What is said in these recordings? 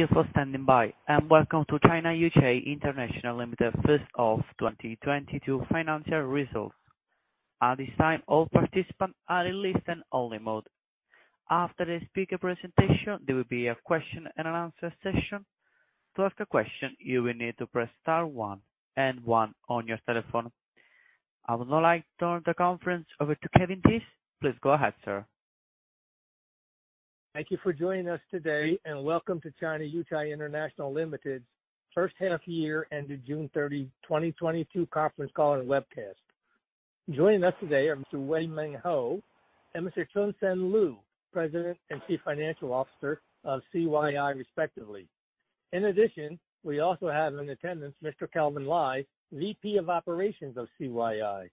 Thank you for standing by, and welcome to China Yuchai International Limited first of 2022 financial results. At this time, all participants are in listen only mode. After the speaker presentation, there will be a question and answer session. To ask a question, you will need to press star one and one on your telephone. I would now like to turn the conference over to Kevin Theiss. Please go ahead, sir. Thank you for joining us today, and welcome to China Yuchai International Limited first half-year ended June 30th, 2022 conference call and webcast. Joining us today are Mr. Weng Ming Hoh and Mr. Choon Sen Loo, President and Chief Financial Officer of China Yuchai International respectively. In addition, we also have in attendance Mr. Kelvin Lai, Vice President of Operations of China Yuchai International.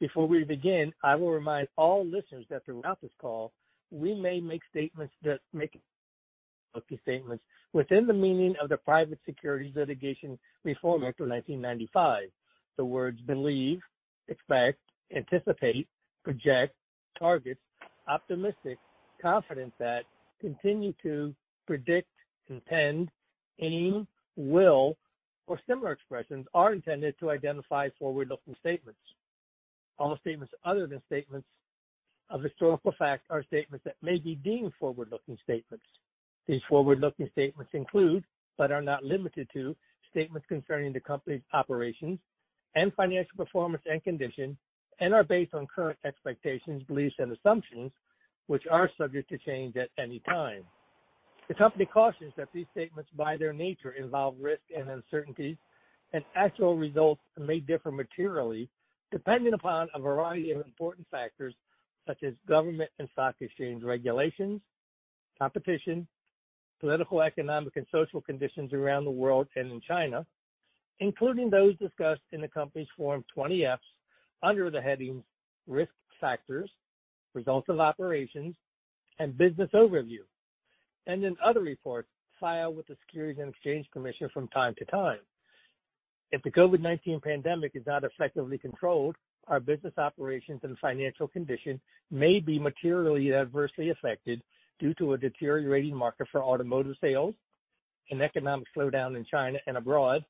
Before we begin, I will remind all listeners that throughout this call, we may make statements within the meaning of the Private Securities Litigation Reform Act of 1995. The words believe, expect, anticipate, project, target, optimistic, confident that, continue to, predict, intend, aim, will, or similar expressions are intended to identify forward-looking statements. All statements other than statements of historical fact are statements that may be deemed forward-looking statements. These forward-looking statements include, but are not limited to, statements concerning the company's operations and financial performance and condition, and are based on current expectations, beliefs, and assumptions, which are subject to change at any time. The company cautions that these statements, by their nature, involve risk and uncertainty, and actual results may differ materially depending upon a variety of important factors such as government and stock exchange regulations, competition, political, economic, and social conditions around the world and in China, including those discussed in the company's Form 20-F under the headings Risk Factors, Results of Operations, and Business Overview, and in other reports filed with the Securities and Exchange Commission from time to time. If the COVID-19 pandemic is not effectively controlled, our business operations and financial condition may be materially adversely affected due to a deteriorating market for automotive sales, an economic slowdown in China and abroad,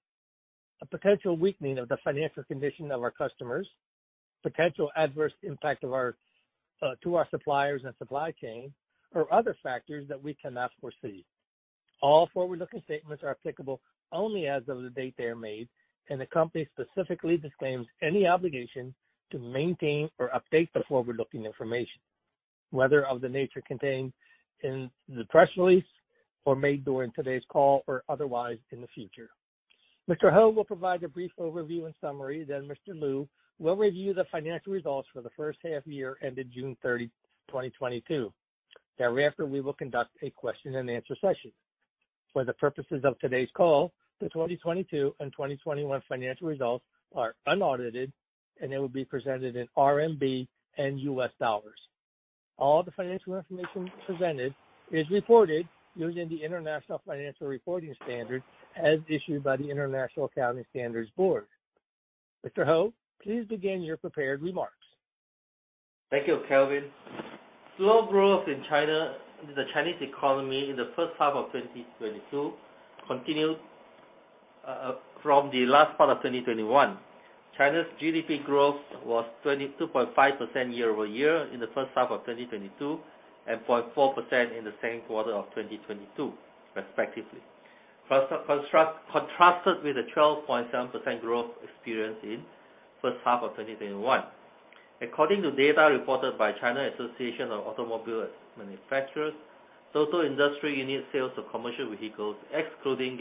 a potential weakening of the financial condition of our customers, potential adverse impact to our suppliers and supply chain, or other factors that we cannot foresee. All forward-looking statements are applicable only as of the date they are made, and the company specifically disclaims any obligation to maintain or update the forward-looking information, whether of the nature contained in the press release or made during today's call or otherwise in the future. Mr. Hoh will provide a brief overview and summary, then Mr. Loo will review the financial results for the first half year ended June 30, 2022. Thereafter, we will conduct a question and answer session. For the purposes of today's call, the 2022 and 2021 financial results are unaudited, and they will be presented in RMB and U.S.$. All the financial information presented is reported using the International Financial Reporting Standards as issued by the International Accounting Standards Board. Mr. Hoh, please begin your prepared remarks. Thank you, Calvin. Slow growth in China. The Chinese economy in the first half of 2022 continued from the last part of 2021. China's GDP growth was 22.5% year-over-year in the first half of 2022, and 0.4% in the same quarter of 2022 respectively. Contrasted with the 12.7% growth experienced in first half of 2021. According to data reported by China Association of Automobile Manufacturers, total industry unit sales of commercial vehicles excluding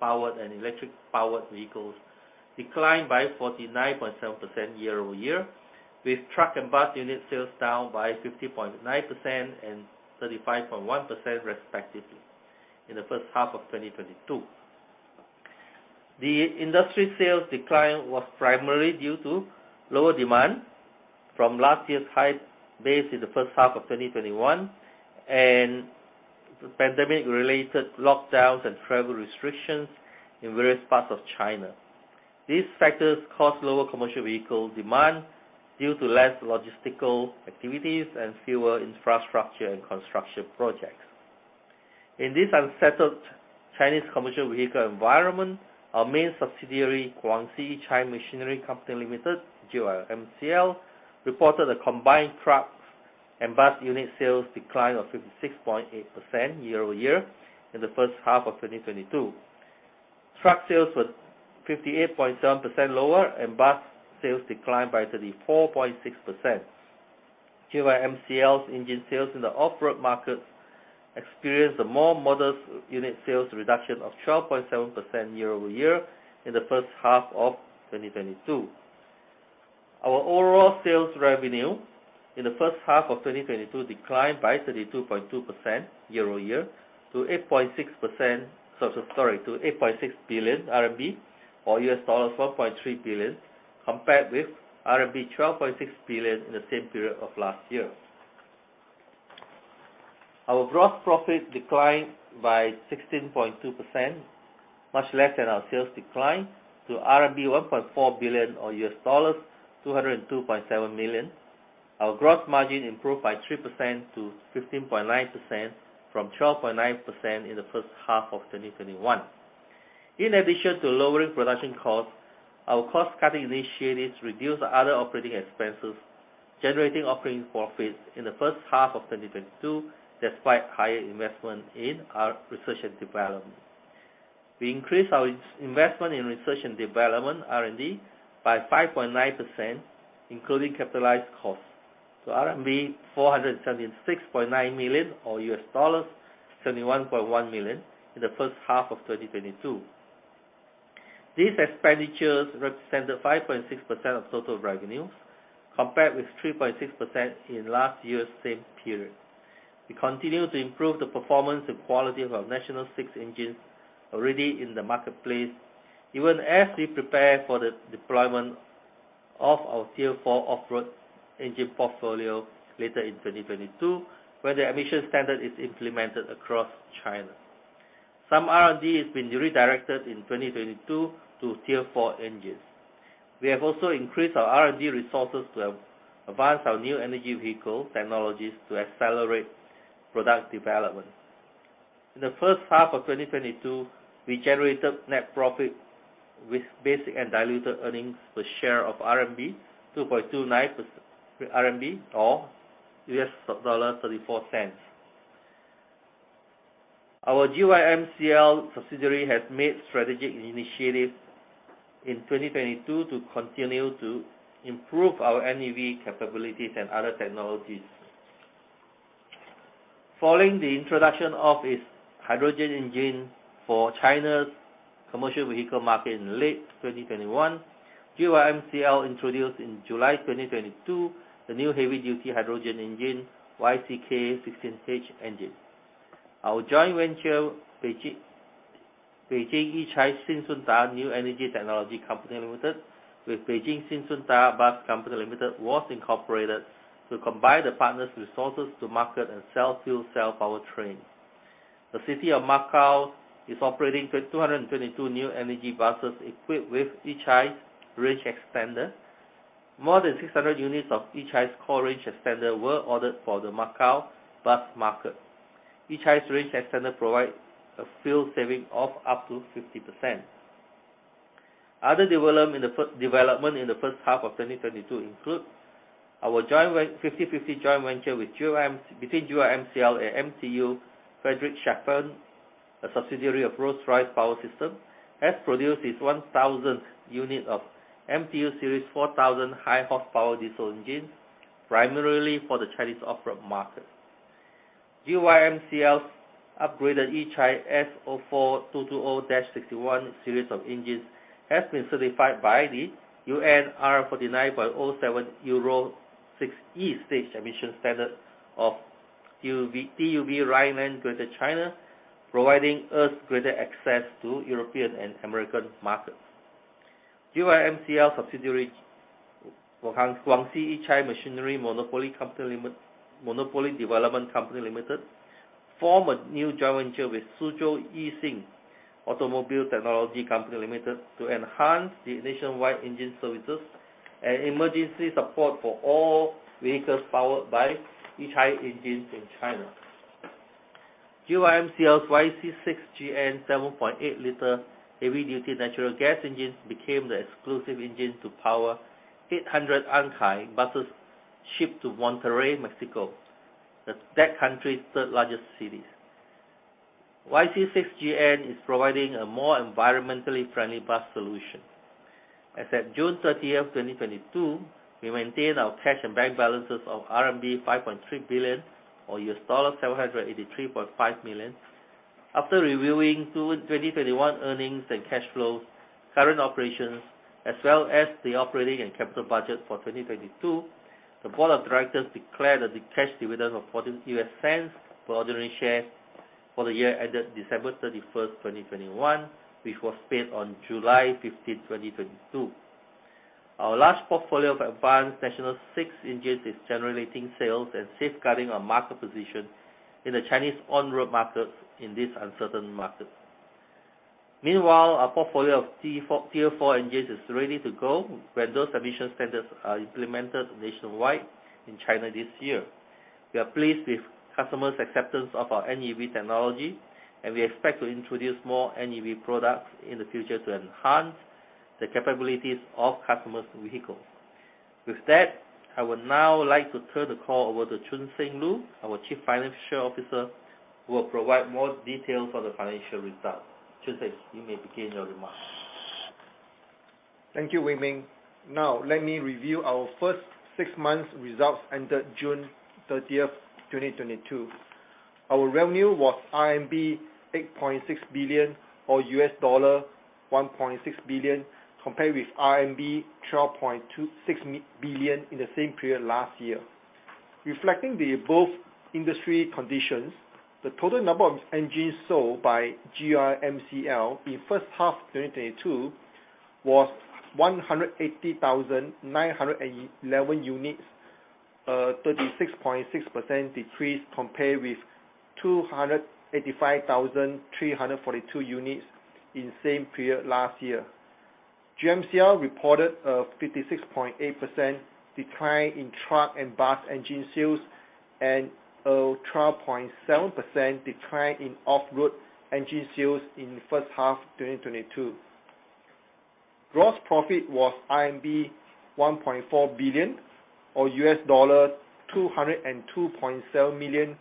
gasoline-powered and electric-powered vehicles declined by 49.7% year-over-year, with truck and bus unit sales down by 50.9% and 35.1% respectively in the first half of 2022. The industry sales decline was primarily due to lower demand from last year's high base in the first half of 2021 and pandemic-related lockdowns and travel restrictions in various parts of China. These factors caused lower commercial vehicle demand due to less logistical activities and fewer infrastructure and construction projects. In this unsettled Chinese commercial vehicle environment, our main subsidiary, Guangxi Yuchai Machinery Company Limited, GYMCL, reported a combined truck and bus unit sales decline of 56.8% year-over-year in the first half of 2022. Truck sales were 58.7% lower and bus sales declined by 34.6%. GYMCL's engine sales in the off-road markets experienced a more modest unit sales reduction of 12.7% year-over-year in the first half of 2022. Our overall sales revenue in the first half of 2022 declined by 32.2% year-over-year to 8.6 billion RMB or $4.3 billion, compared with RMB 12.6 billion in the same period of last year. Our gross profit declined by 16.2%, much less than our sales decline, to RMB 1.4 billion or $202.7 million. Our gross margin improved by 3%-15.9% from 12.9% in the first half of 2021. In addition to lowering production costs, our cost-cutting initiatives reduced other operating expenses, generating operating profits in the first half of 2022 despite higher investment in our research and development. We increased our investment in research and development, R&D, by 5.9%, including capitalized costs, to RMB 476.9 million or $71.1 million in the first half of 2022. These expenditures represented 5.6% of total revenues, compared with 3.6% in last year's same period. We continue to improve the performance and quality of our National VI engines already in the marketplace, even as we prepare for the deployment of our Tier 4 off-road engine portfolio later in 2022, where the emission standard is implemented across China. Some R&D has been redirected in 2022 to Tier 4 engines. We have also increased our R&D resources to advance our new energy vehicle technologies to accelerate product development. In the first half of 2022, we generated net profit with basic and diluted earnings per share of 2.29 RMB or $0.34. Our GYMCL subsidiary has made strategic initiatives in 2022 to continue to improve our NEV capabilities and other technologies. Following the introduction of its hydrogen engine for China's commercial vehicle market in late 2021, GYMCL introduced in July 2022 the new heavy duty hydrogen engine, YCK15H engine. Our joint venture, Beijing Yuchai Xingshunda New Energy Technology Co., Ltd., with Beijing Xing Shun Da Bus Co., Ltd., was incorporated to combine the partners' resources to market and sell fuel cell powertrain. The City of Macau is operating 222 new energy buses equipped with Yuchai's range extender. More than 600 units of Yuchai's core range extender were ordered for the Macau bus market. Yuchai's range extender provides a fuel saving of up to 50%. Other developments in the first half of 2022 include our 50/50 joint venture between GYMCL and MTU Friedrichshafen GmbH, a subsidiary of Rolls-Royce Power Systems, has produced its 1,000th unit of MTU Series 4000 high horsepower diesel engines, primarily for the Chinese off-road market. GYMCL's upgraded Yuchai S04220-61 series of engines has been certified by the UN R49.07 Euro 6e stage emission standard of TÜV Rheinland Greater China, providing us greater access to European and American markets. GYMCL subsidiary Guangxi Yuchai Machinery Monopoly Development Company Limited forms a new joint venture with Suzhou Yising Automobile Technology Company Limited to enhance the nationwide engine services and emergency support for all vehicles powered by Yuchai engines in China. GYMCL's YC6GN 7.8-liter heavy-duty natural gas engines became the exclusive engine to power 800 Ankai buses shipped to Monterrey, Mexico, that country's third-largest city. YC6GN is providing a more environmentally friendly bus solution. As at June 30th, 2022, we maintain our cash and bank balances of RMB 5.3 billion or $783.5 million. After reviewing 2021 earnings and cash flows, current operations, as well as the operating and capital budget for 2022, the board of directors declared the cash dividends of $0.14 per ordinary share for the year ended December 31st, 2021, which was paid on July 15th, 2022. Our large portfolio of advanced National VI engines is generating sales and safeguarding our market position in the Chinese on-road markets in this uncertain market. Meanwhile, our portfolio of Tier 4, Tier 4 engines is ready to go when those emission standards are implemented nationwide in China this year. We are pleased with customers' acceptance of our NEV technology, and we expect to introduce more NEV products in the future to enhance the capabilities of customers' vehicles. With that, I would now like to turn the call over to Choon Sen Loo, our Chief Financial Officer, who will provide more details on the financial results. Choon Sen, you may begin your remarks. Thank you, Weng Ming Hoh. Now, let me review our first six months results ended June 30th, 2022. Our revenue was RMB 8.6 billion or $1.6 billion, compared with RMB 12.26 billion in the same period last year. Reflecting the above industry conditions, the total number of engines sold by GYMCL in first half 2022 was 180,911 units, 36.6% decrease compared with 285,342 units in same period last year. GYMCL reported a 56.8% decline in truck and bus engine sales, and a 12.7% decline in off-road engine sales in the first half 2022. Gross profit was 1.4 billion or $202.7 million,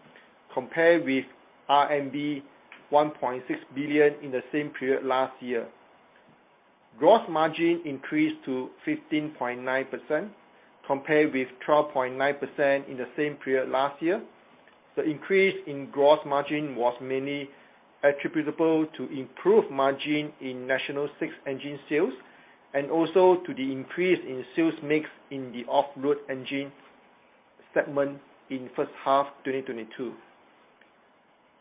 compared with RMB 1.6 billion in the same period last year. Gross margin increased to 15.9% compared with 12.9% in the same period last year. The increase in gross margin was mainly attributable to improved margin in National VI engine sales, and also to the increase in sales mix in the off-road engine segment in first half 2022.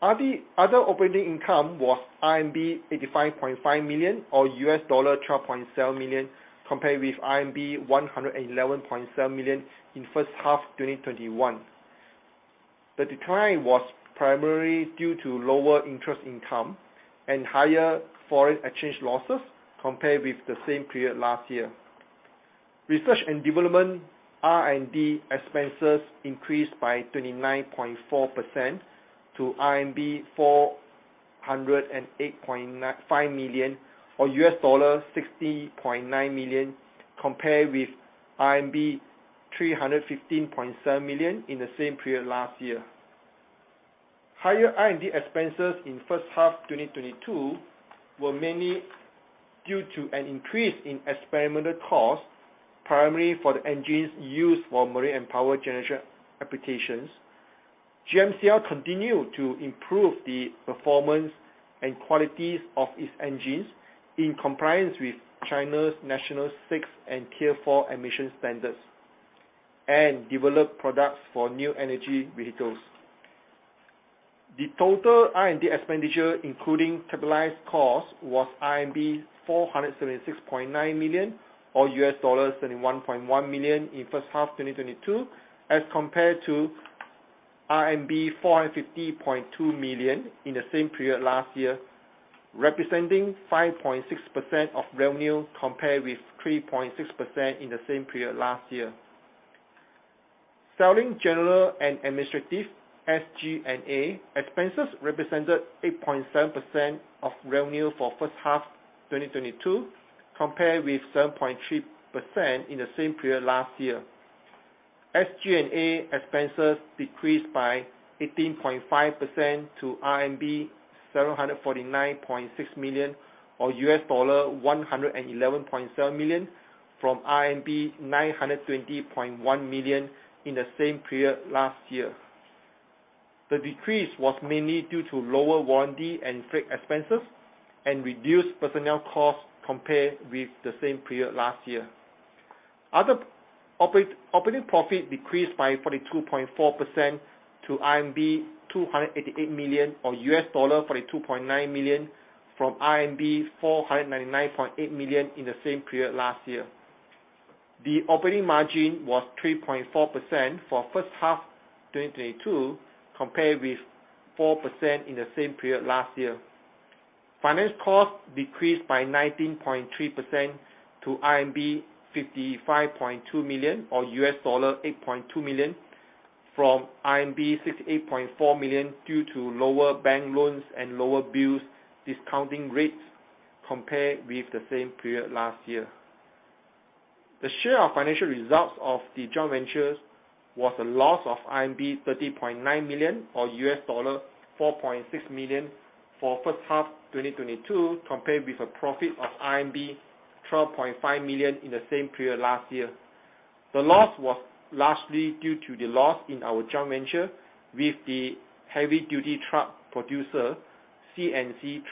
Other operating income was RMB 85.5 million or $12.7 million, compared with RMB 111.7 million in first half 2021. The decline was primarily due to lower interest income and higher foreign exchange losses compared with the same period last year. Research and development, R&D expenses increased by 29.4% to RMB 408.95 million, or $60.9 million, compared with RMB 315.7 million in the same period last year. Higher R&D expenses in first half 2022 were mainly due to an increase in experimental costs, primarily for the engines used for marine and power generation applications. GYMCL continue to improve the performance and qualities of its engines in compliance with China's National VI and Tier 4 emission standards, and develop products for new energy vehicles. The total R&D expenditure, including capitalized costs, was RMB 476.9 million or $31.1 million in first half 2022, as compared to RMB 450.2 million in the same period last year, representing 5.6% of revenue compared with 3.6% in the same period last year. Selling, general, and administrative, SG&A, expenses represented 8.7% of revenue for first half 2022 compared with 7.3% in the same period last year. SG&A expenses decreased by 18.5% to RMB 749.6 million or $111.7 million, from RMB 920.1 million in the same period last year. The decrease was mainly due to lower warranty and freight expenses and reduced personnel costs compared with the same period last year. Other operating profit decreased by 42.4% to 288 million or $42.9 million, from 499.8 million in the same period last year. The operating margin was 3.4% for first half 2022, compared with 4% in the same period last year. Finance costs decreased by 19.3% to RMB 55.2 million, or $8.2 million, from RMB 68.4 million due to lower bank loans and lower bills discounting rates compared with the same period last year. The share of financial results of the joint ventures was a loss of RMB 30.9 million or $4.6 million for first half 2022, compared with a profit of RMB 12.5 million in the same period last year. The loss was largely due to the loss in our joint venture with the heavy duty truck producer, CNHTC.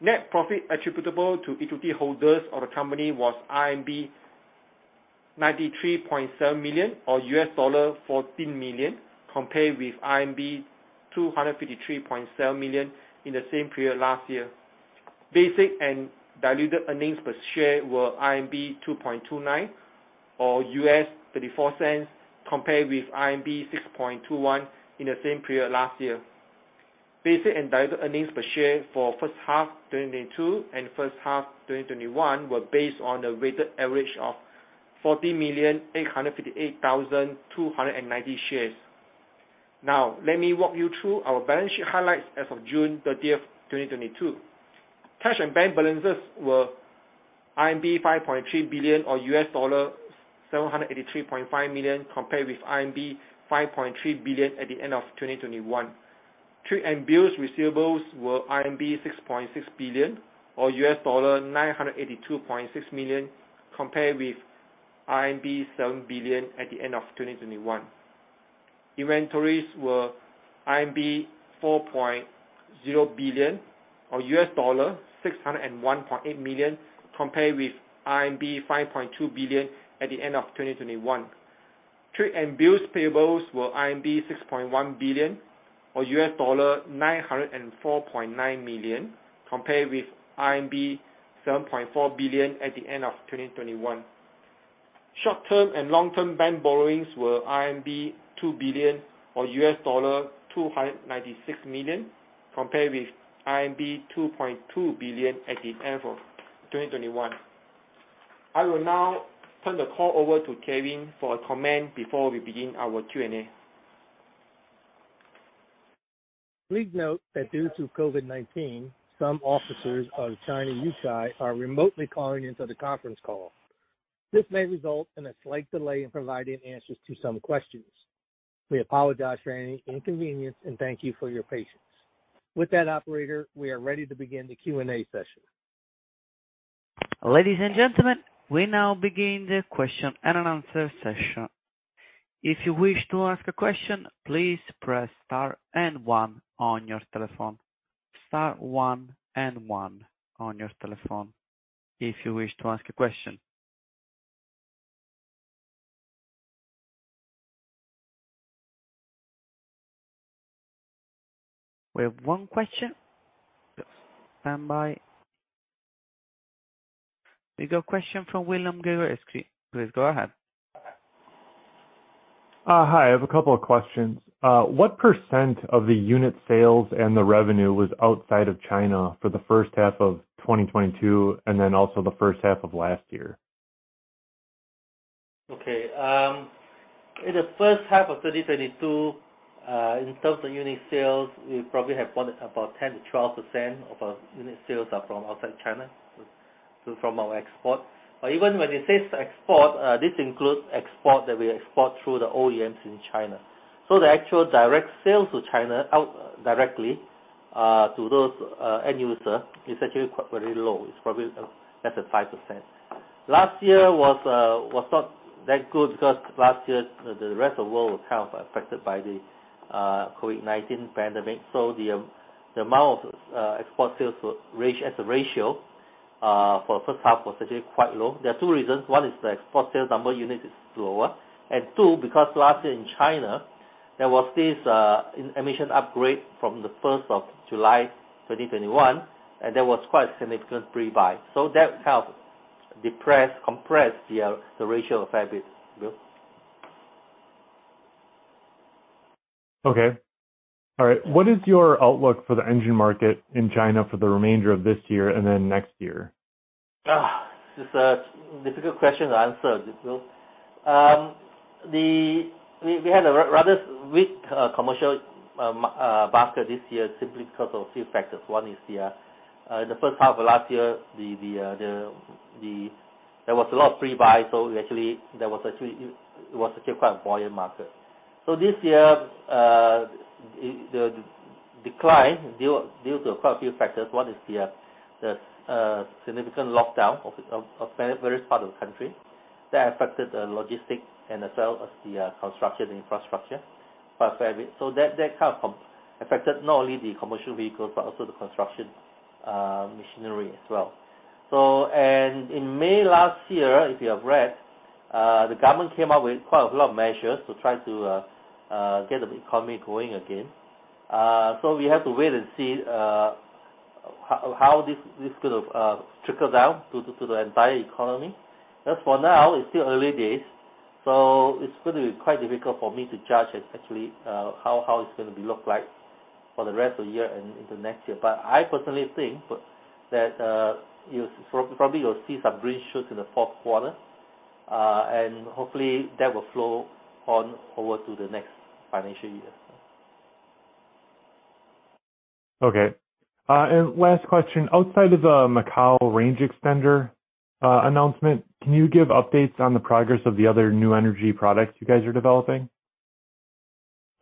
Net profit attributable to equity holders of the company was RMB 93.7 million or $14 million, compared with RMB 253.7 million in the same period last year. Basic and diluted earnings per share were 2.29 or $0.34, compared with 6.21 in the same period last year. Basic and diluted earnings per share for first half 2022 and first half 2021 were based on a weighted average of 40,858,290 shares. Now, let me walk you through our balance sheet highlights as of June 30, 2022. Cash and bank balances were 5.3 billion or $783.5 million, compared with 5.3 billion at the end of 2021. Trade and bills receivables were 6.6 billion or $982.6 million, compared with 7 billion at the end of 2021. Inventories were 4.0 billion or $601.8 million, compared with 5.2 billion at the end of 2021. Trade and bills payables were 6.1 billion or $904.9 million, compared with 7.4 billion at the end of 2021. Short-term and long-term bank borrowings were RMB 2 billion or $296 million, compared with RMB 2.2 billion at the end of 2021. I will now turn the call over to Kevin for a comment before we begin our Q&A. Please note that due to COVID-19, some officers of China Yuchai International are remotely calling into the conference call. This may result in a slight delay in providing answers to some questions. We apologize for any inconvenience, and thank you for your patience. With that operator, we are ready to begin the Q&A session. Ladies and gentlemen, we now begin the question and answer session. If you wish to ask a question, please press star and one on your telephone. Star one and one on your telephone, if you wish to ask a question. We have one question. Just stand by. We got a question from William Gregozeski. Please go ahead. Hi. I have a couple of questions. What % of the unit sales and the revenue was outside of China for the first half of 2022, and then also the first half of last year? Okay. In the first half of 2022, in terms of unit sales, we probably have about 10%-12% of our unit sales are from outside China. From our export. Even when it says export, this includes export that we export through the OEMs in China. The actual direct sales outside China directly to those end user is actually quite very low. It's probably less than 5%. Last year was not that good because last year the rest of the world was kind of affected by the COVID-19 pandemic. The amount of export sales as a ratio for the first half was actually quite low. There are two reasons. One is the export sales number unit is lower. Two, because last year in China there was this emission upgrade from July 1st, 2021, and there was quite a significant pre-buy. That helped depress, compress the ratio a fair bit. Yeah. Okay. All right. What is your outlook for the engine market in China for the remainder of this year and then next year? This is a difficult question to answer. We had a rather weak commercial market this year simply because of a few factors. One is the first half of last year, there was a lot of pre-buy, so it was actually quite a buoyant market. This year, the decline due to quite a few factors. One is the significant lockdown of various parts of the country. That affected the logistics and as well as the construction infrastructure quite a fair bit. That affected not only the commercial vehicles but also the construction machinery as well. In May last year, if you have read, the government came up with quite a lot of measures to try to get the economy going again. We have to wait and see how this is gonna trickle down to the entire economy. As for now, it's still early days, so it's gonna be quite difficult for me to judge actually how it's gonna look like for the rest of the year and into next year. I personally think that you'll see some green shoots in the fourth quarter, and hopefully that will flow on over to the next financial year. Okay. Last question. Outside of the Macau range extender announcement, can you give updates on the progress of the other new energy products you guys are developing?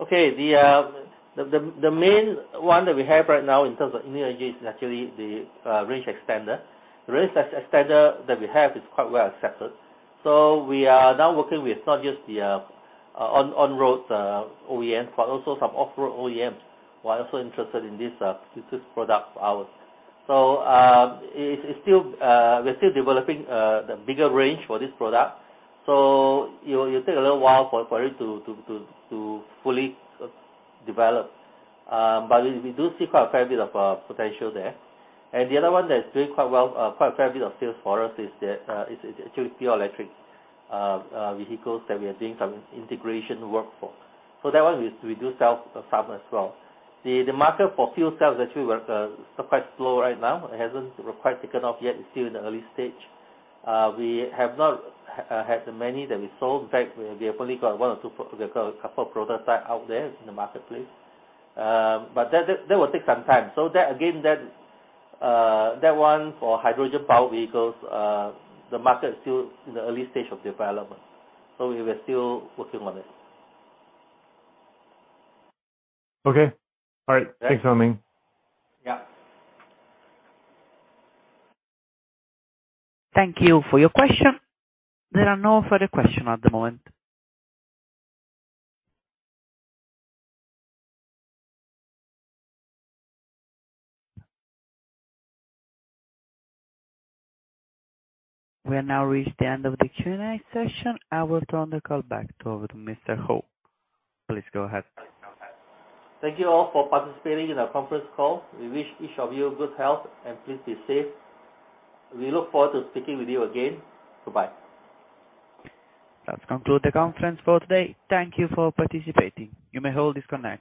Okay. The main one that we have right now in terms of new energy is actually the range extender. The range extender that we have is quite well accepted. We are now working with not just the on-road OEMs, but also some off-road OEMs who are also interested in this product of ours. We're still developing the bigger range for this product, so it will take a little while for it to fully develop. We do see quite a fair bit of potential there. The other one that's doing quite well, quite a fair bit of sales for us is actually pure electric vehicles that we are doing some integration work for. That one we do sell some as well. The market for fuel cells actually were still quite slow right now. It hasn't quite taken off yet. It's still in the early stage. We have not had the many that we sold. In fact, we have only got 1 or 2, a couple prototype out there in the marketplace. But that will take some time. That one again for hydrogen powered vehicles, the market is still in the early stage of development. We are still working on it. Okay. All right. Thanks, Meng. Yeah. Thank you for your question. There are no further questions at the moment. We have now reached the end of the Q&A session. I will turn the call back over to Mr. Hoh. Please go ahead. Thank you all for participating in our conference call. We wish each of you good health, and please be safe. We look forward to speaking with you again. Goodbye. That concludes the conference for today. Thank you for participating. You may now disconnect.